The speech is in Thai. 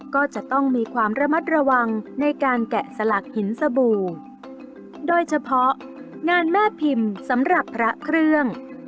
ก็จะต้องมีความระมัดระวังในการแกะสลักหินสบู่โดยเฉพาะงานแม่พิมพ์สำหรับพระเครื่อง